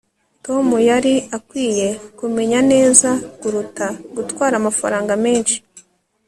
tom yari akwiye kumenya neza kuruta gutwara amafaranga menshi